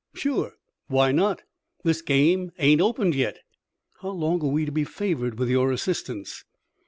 "Sure! Why not? This game ain't opened yet." "How long are we to be favored with your assistance?"